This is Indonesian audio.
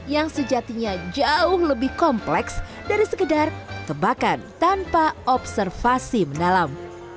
yang sejatinya jauh lebih kompleks dari sekedar tebakan tanpa observasi mendalam